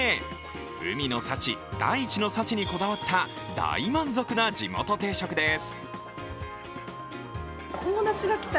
海の幸、大地の幸にこだわった大満足な地元定食です。